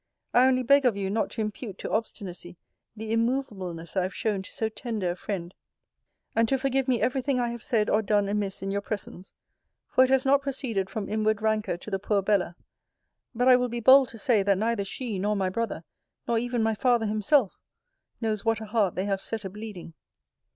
I only beg of you not to impute to obstinacy the immovableness I have shown to so tender a friend; and to forgive me every thing I have said or done amiss in your presence, for it has not proceeded from inward rancour to the poor Bella. But I will be bold to say, that neither she, nor my brother, nor even my father himself, knows what a heart they have set a bleeding.